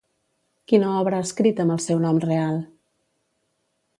Quina obra ha escrit amb el seu nom real?